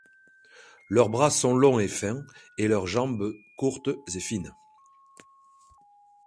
Leurs bras sont longs et fins et leurs jambes courtes et fines.